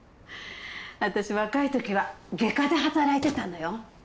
あたし若いときは外科で働いてたのよ。